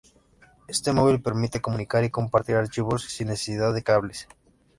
Este móvil permite comunicar y compartir archivos sin necesidad de cables.